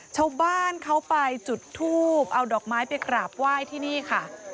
ชาวบ้านเขาไปจุดทูบเอาดอกไม้ไปกราบไหว้ที่นี่ค่ะ